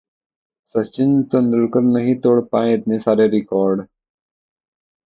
सचिन तेंदुलकर नहीं तोड़ पाए इतने सारे रिकॉर्ड!